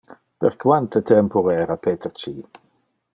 Per quante tempore era Peter ci?